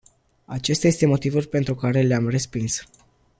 Acesta este motivul pentru care le-am respins.